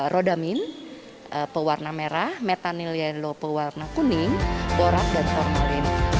rodamin pewarna merah metanil yello pewarna kuning borak dan formalin